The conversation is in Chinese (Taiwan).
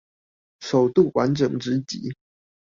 首度完整直擊